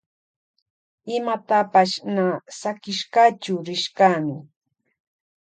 Imatapash na sakishkachu rishkami.